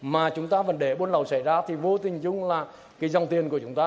mà chúng ta vấn đề bốn lầu xảy ra thì vô tình chung là cái dòng tiền của chúng ta